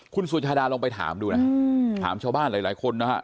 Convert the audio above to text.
คุณสุชาดาลองไปถามดูนะถามชาวบ้านหลายคนนะฮะ